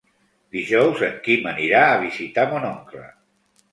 Dijous en Quim anirà a visitar mon oncle.